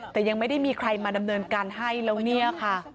แต่ยังไม่ได้มีใครมาดำเนินการให้แล้วเนี่ยค่ะ